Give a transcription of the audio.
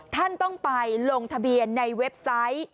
ท่านต้องไปลงทะเบียนในเว็บไซต์